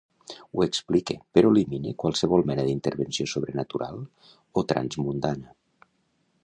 Ho explique, però elimine qualsevol mena d'intervenció sobrenatural o transmundana.